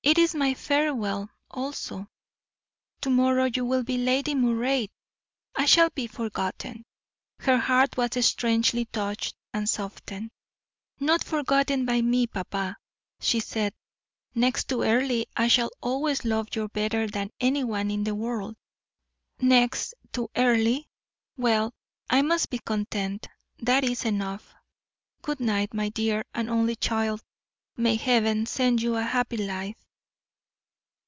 It is my farewell, also. To morrow you will be Lady Moray, and I shall be forgotten." Her heart was strangely touched and softened. "Not forgotten by me, papa," she said; "next to Earle, I shall always love you better than any one in the world." "Next to Earle. Well, I must be content. That is enough. Good night, my dear and only child; may Heaven send you a happy life."